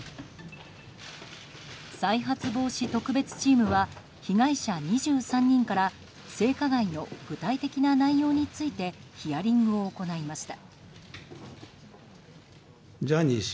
再発防止特別チームは被害者２３人から性加害の具体的な内容についてヒアリングを行いました。